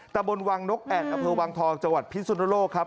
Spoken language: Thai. ตะบนวังนกแอดอวังทองจพิษุนุโลกครับ